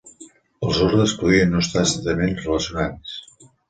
Els ordres podrien no estar estretament relacionats.